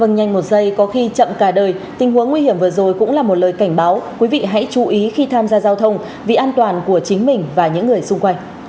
nhanh một giây có khi chậm cả đời tình huống nguy hiểm vừa rồi cũng là một lời cảnh báo quý vị hãy chú ý khi tham gia giao thông vì an toàn của chính mình và những người xung quanh